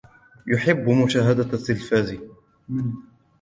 يحب مشاهدة التلفاز.